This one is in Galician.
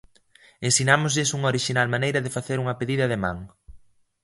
Ensinámoslles unha orixinal maneira de facer unha pedida de man.